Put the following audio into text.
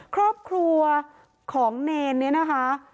ครอบครัวของเนรเนี่ยนะคะ